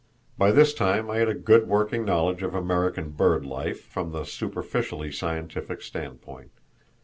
By this time I had a good working knowledge of American bird life from the superficially scientific standpoint.